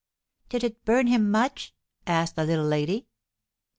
"Did it burn him much?" asked the Little Lady.